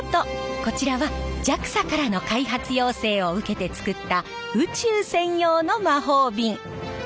こちらはＪＡＸＡからの開発要請を受けてつくった宇宙専用の魔法瓶。